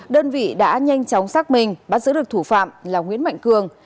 đơn vị đã nhanh chóng xác minh bắt giữ được thủ phạm là nguyễn mạnh cường